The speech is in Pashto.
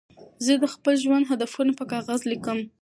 زه د خپل ژوند هدفونه په کاغذ لیکم.